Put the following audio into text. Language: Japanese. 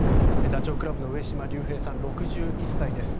ダチョウ倶楽部の上島竜兵さん６１歳です。